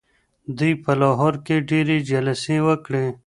دوی په لاهور کي ډیري جلسې وکړې.